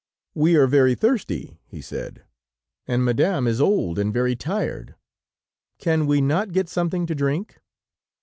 "We are very thirsty," he said, "and Madame is old and very tired. Can we not get something to drink?"